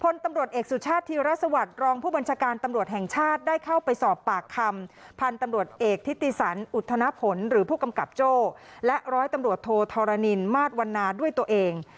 และร้อยตำรวจโทษธรณีนมาสวรรณาด้วยตัวเอง